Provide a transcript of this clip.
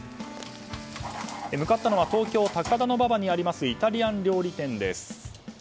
向かったのは東京・高田馬場にありますイタリアン料理店です。